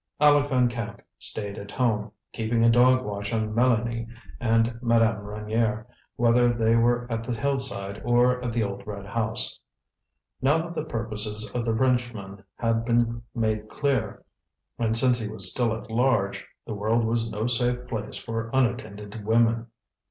Aleck Van Camp stayed at home, keeping a dog watch on Mélanie and Madame Reynier, whether they were at the Hillside or at the old red house. Now that the purposes of the Frenchman had been made clear, and since he was still at large, the world was no safe place for unattended women.